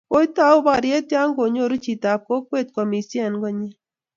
koitou boriet ya konyoru chitab kokwet ko amisie eng' koot nyin